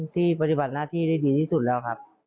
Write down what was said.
ที่ปฏิบัติหน้าที่จะดีที่สุดแล้ว